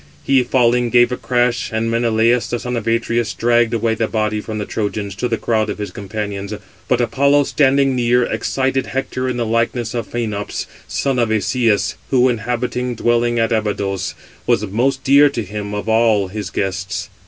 He, falling, gave a crash, and Menelaus, the son of Atreus, dragged away the body from the Trojans to the crowd of his companions. But Apollo, standing near, excited Hector in the likeness of Phœnops, son of Asias, who, inhabiting dwellings at Abydos, was most dear to him of all his guests.